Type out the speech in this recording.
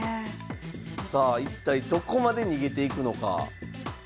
さあ一体どこまで逃げていくのか。